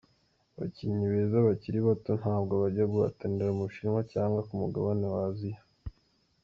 "Abakinnyi beza bakiri bato ntabwo bajya guhatanira mu Bushinwa cyangwa ku mugabane w'Aziya.